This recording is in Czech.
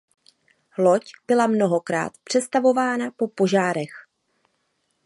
Loď byla mnohokrát přestavována po požárech.